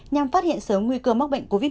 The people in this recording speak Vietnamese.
nhằm phát hiện sớm nguy cơ mắc bệnh covid một mươi